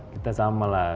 kita sama lah